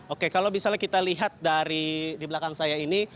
oke kalau misalnya kita lihat dari di belakang saya ini